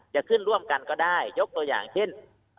จะขึ้นร่วมกันก็ได้ยกตัวอย่างเช่น